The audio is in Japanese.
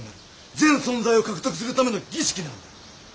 全存在を獲得するための儀式なんだ！